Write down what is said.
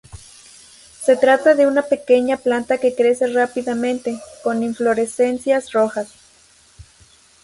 Se trata de una pequeña planta que crece rápidamente, con inflorescencias rojas.